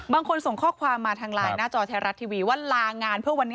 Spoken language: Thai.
ส่งข้อความมาทางไลน์หน้าจอไทยรัฐทีวีว่าลางานเพื่อวันนี้